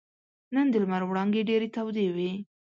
نن د لمر وړانګې ډېرې تودې وې.